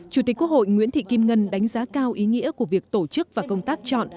chủ tịch quốc hội nguyễn thị kim ngân đánh giá cao ý nghĩa của việc tổ chức và công tác chọn